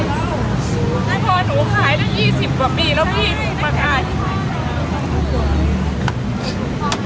แล้วป่านต้องการช่วยความว่าความรู้สึกแรกกับภาพผู้ที่สุด